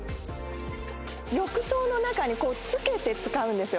浴槽の中につけて使うんですよ。